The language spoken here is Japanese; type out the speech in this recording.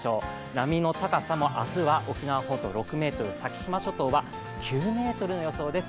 波の高さも明日は沖縄本島６ｍ、先島諸島は９ｍの予想です。